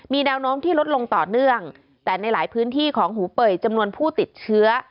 มีแนวโน้มที่ลดลงต่อเนื่องแต่ในหลายพื้นที่ของหูเป่ยจำนวนผู้ติดเชื้อ